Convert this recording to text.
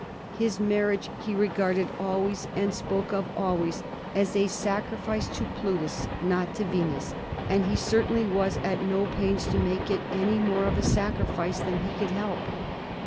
His marriage he regarded always and spoke of always as a sacrifice to Plutus, not to Venus, and he certainly was at no pains to make it any more of a sacrifice than he could help.